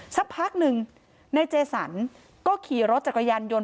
สักพักหนึ่งนายเจสันก็ขี่รถจักรยานยนต